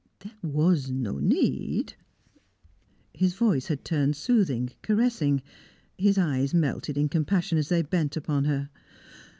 There was no need." His voice had turned soothing, caressing; his eyes melted in compassion as they bent upon her.